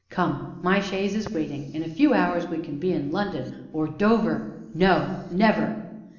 Come, my chaise is waiting; in a few hours we can be in London, or Dover " "No never!"